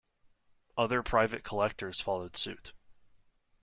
Other private collectors followed suit.